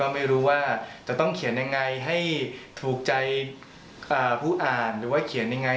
ถูกใจผู้อ่านหรือว่าเขียนอย่างไร